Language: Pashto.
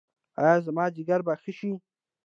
ایا زما ځیګر به ښه شي؟